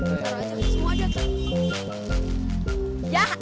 taruh aja semua aja tante